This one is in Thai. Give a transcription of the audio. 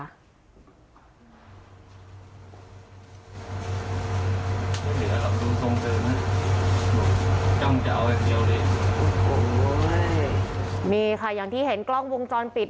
จ้องเจาอย่างเดียวเลยโอ้โหนี่ค่ะอย่างที่เห็นกล้องวงจรปิดนะ